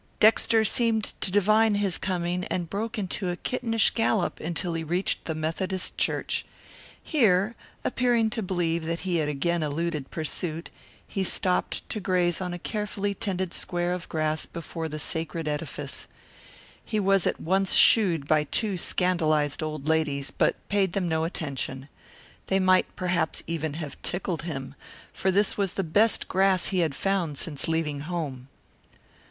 Dexter seemed to divine his coming and broke into a kittenish gallop until he reached the Methodist Church. Here, appearing to believe that he had again eluded pursuit, he stopped to graze on a carefully tended square of grass before the sacred edifice. He was at once shooed by two scandalized old ladies, but paid them no attention. They might perhaps even have tickled him, for this was the best grass he had found since leaving home.